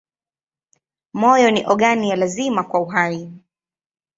Moyo ni ogani ya lazima kwa uhai.